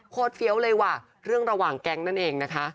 เฟี้ยวเลยว่ะเรื่องระหว่างแก๊งนั่นเองนะคะ